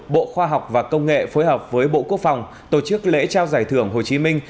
bộ khoa học và công nghệ phối hợp với bộ quốc phòng tổ chức lễ trao giải thưởng hồ chí minh